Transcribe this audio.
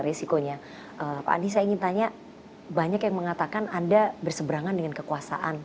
resikonya pak andi saya ingin tanya banyak yang mengatakan anda berseberangan dengan kekuasaan